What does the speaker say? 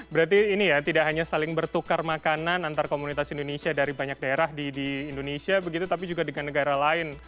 berarti ini ya tidak hanya saling bertukar makanan antar komunitas indonesia dari banyak daerah di indonesia begitu tapi juga dengan negara lain